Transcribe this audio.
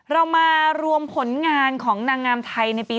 เรามารวมผลงานของนางงามไทยในปี๒๕